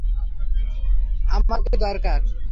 আমার ওকে দরকার!